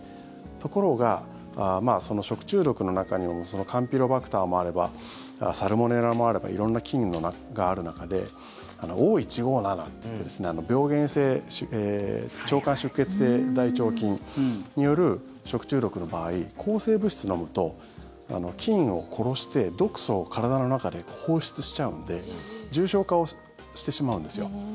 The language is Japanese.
ところが、食中毒の中にもカンピロバクターもあればサルモネラもあれば色んな菌がある中でＯ−１５７っていって病原性腸管出血性大腸菌による食中毒の場合抗生物質を飲むと菌を殺して毒素を体の中で放出しちゃうんで重症化をしてしまうんですよ。